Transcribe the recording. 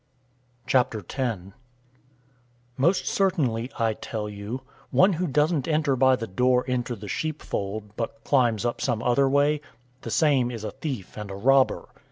010:001 "Most certainly, I tell you, one who doesn't enter by the door into the sheep fold, but climbs up some other way, the same is a thief and a robber.